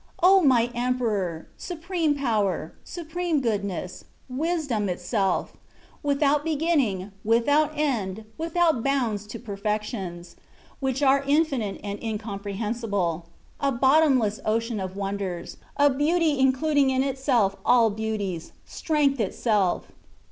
O! my Emperor, Supreme Power, Supreme Goodness, Wisdom itself, without begin ning, without end, without bounds to perfections, which are infinite and incomprehensible, a bot tomless ocean of wonders, a Beauty including in itself all beauties. Strength itself.